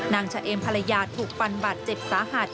เฉเอมภรรยาถูกฟันบาดเจ็บสาหัส